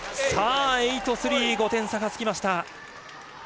５点差がつきました。